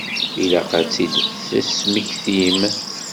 Ilaq ad tt-id-tesmektim.